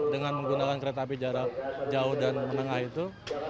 dengan menggunakan kereta api jarak jauh dan menengah itu